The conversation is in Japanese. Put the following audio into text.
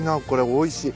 おいしい。